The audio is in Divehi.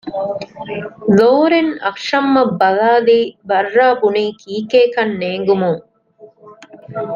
ލޯރެން އަކްޝަމް އަށް ބަލާލީ ބައްރާ ބުނީ ކީކޭކަން ނޭނގުމުން